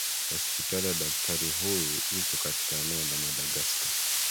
Hospitali ya daktari huyu iko katika eneo la Madagscar.